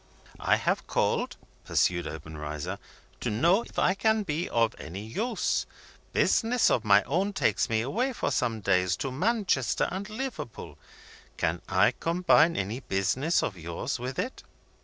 "I have called," pursued Obenreizer, "to know if I can be of any use. Business of my own takes me away for some days to Manchester and Liverpool. Can I combine any business of yours with it?